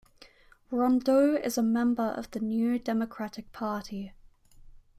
Rondeau is a member of the New Democratic Party.